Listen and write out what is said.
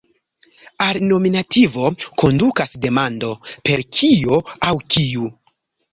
Al nominativo kondukas demando per "kio" aŭ "kiu".